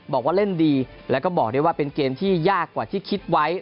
บอกว่าเล่นดีแล้วก็บอกได้ว่าเป็นเกมที่ยากกว่าที่คิดไว้